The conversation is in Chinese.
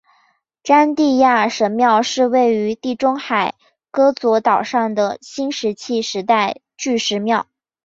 詹蒂亚神庙是位于地中海戈佐岛上的新石器时代巨石庙。